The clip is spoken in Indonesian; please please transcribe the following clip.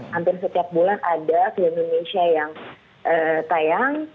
hampir setiap bulan ada film indonesia yang tayang